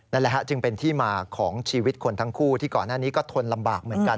นั่นแหละฮะจึงเป็นที่มาของชีวิตคนทั้งคู่ที่ก่อนหน้านี้ก็ทนลำบากเหมือนกัน